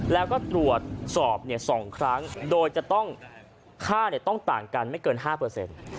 แล้วก็ตรวจสอบเนี้ยสองครั้งโดยจะต้องค่าเนี้ยต้องต่างกันไม่เกินห้าเปอร์เซ็นต์